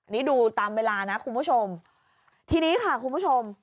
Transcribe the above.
นี่ดูตามเวลานะคุณผู้ชมทีนี้ค่ะคุณผู้ชม